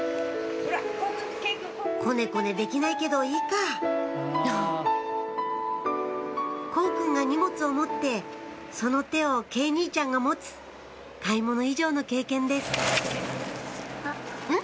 こねこねできないけどいいか幸くんが荷物を持ってその手を慶兄ちゃんが持つ買い物以上の経験ですあっ。